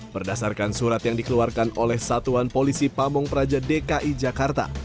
berdasarkan surat yang dikeluarkan oleh satuan polisi pamung praja dki jakarta